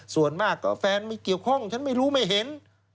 ส่วนมากก็แฟนไม่เกี่ยวข้องฉันไม่รู้ไม่เห็น